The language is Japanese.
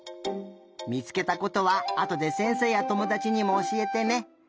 みつけたことはあとでせんせいやともだちにもおしえてね。